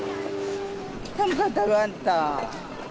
寒かったろあんた。